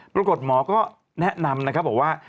ปรากฏหมอก็แนะนำนะครับบอกว่า